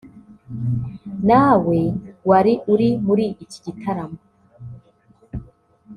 nawe wari uri muri iki gitaramo